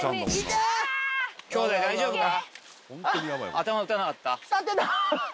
頭打たなかった？